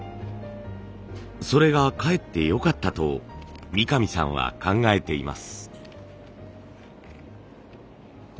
それがかえってよかったと三上さんは考えています。